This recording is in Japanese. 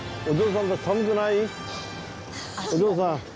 お嬢さん。